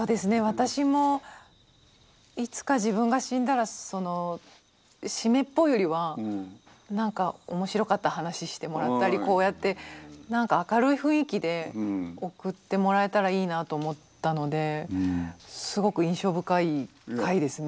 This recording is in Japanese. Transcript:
私もいつか自分が死んだらその湿っぽいよりは何か面白かった話してもらったりこうやって何か明るい雰囲気で送ってもらえたらいいなと思ったのですごく印象深い回ですね。